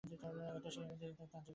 ও তো ইতোমধ্যেই একজন তান্ত্রিক ডাক্তার!